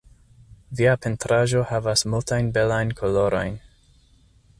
Via pentraĵo havas multajn belajn kolorojn.